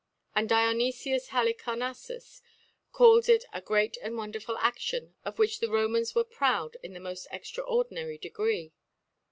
And hionyfius Halicarnajfeus f calls it a great and wonderful ASion^ of which the Romans were proud in the moft extraordinary Degree.